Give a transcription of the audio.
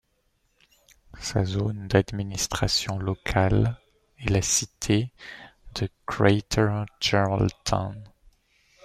Sa zone d'administration locale est la cité de Greater Geraldton.